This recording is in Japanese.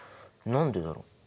何でだろう？